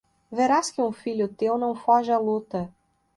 Verás que um filho teu não foge à luta